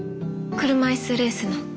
車いすレースの。